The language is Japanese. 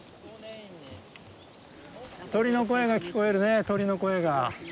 鳥の声が聞こえるね鳥の声が。